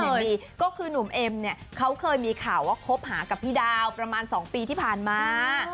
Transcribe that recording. ดีก็คือหนุ่มเอ็มเนี่ยเขาเคยมีข่าวว่าคบหากับพี่ดาวประมาณ๒ปีที่ผ่านมา